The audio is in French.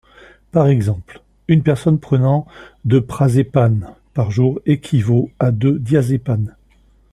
Par exemple, une personne prenant a de prazépam par jour équivaut à de diazépam.